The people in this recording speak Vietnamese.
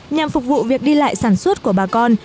nhằm phục vụ việc đi lại sản xuất của bà con